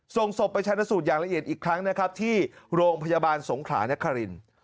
ส่งศพไปชาญสูตรอย่างละเอียดอีกครั้งนะครับที่โรงพยาบาลสงขลานคริน